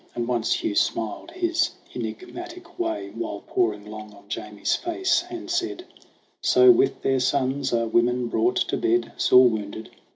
And once Hugh smiled his enfgmatic way, While poring long on Jamie's face, and said : "So with their sons are women brought to bed, Sore wounded